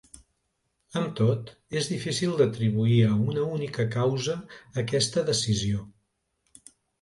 Amb tot, és difícil d’atribuir a una única causa aquesta decisió.